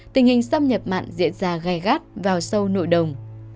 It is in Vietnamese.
tình hình xâm nhập mặn diễn ra gai gắt vào sâu nội đồng